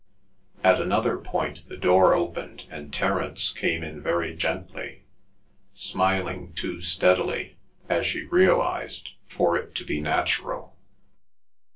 At another point the door opened and Terence came in very gently, smiling too steadily, as she realised, for it to be natural.